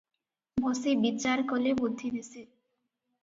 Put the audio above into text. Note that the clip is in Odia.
ବସି ବିଚାର କଲେ ବୁଦ୍ଧି ଦିଶେ ।